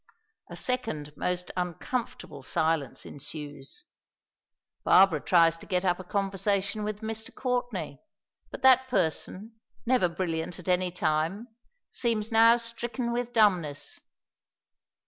A second most uncomfortable silence ensues. Barbara tries to get up a conversation with Mr. Courtenay, but that person, never brilliant at any time, seems now stricken with dumbness.